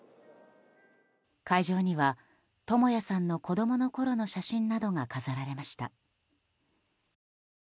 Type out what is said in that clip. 会場には、智也さんの子供のころの写真などが飾られました。